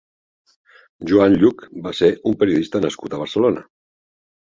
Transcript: Joan Lluch va ser un periodista nascut a Barcelona.